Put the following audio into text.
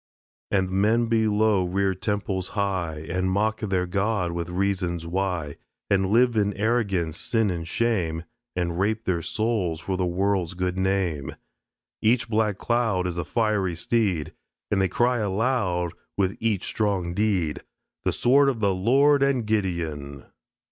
And men below rear temples high And mock their God with reasons why, And live, in arrogance, sin and shame, And rape their souls for the world's good name. Each black cloud Is a fiery steed. And they cry aloud With each strong deed, "The sword of the Lord and Gideon."